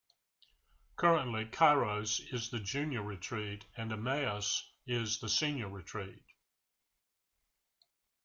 Currently, Kairos is the junior retreat and Emmaus is the senior retreat.